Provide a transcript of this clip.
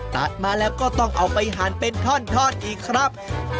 ตัดมาแล้วก็ต้องเอาไปหั่นเป็นท่อนอีกครับ